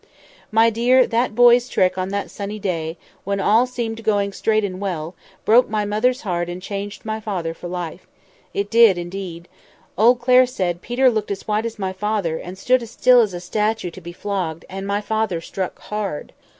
"My dear, that boy's trick, on that sunny day, when all seemed going straight and well, broke my mother's heart, and changed my father for life. It did, indeed. Old Clare said, Peter looked as white as my father; and stood as still as a statue to be flogged; and my father struck hard!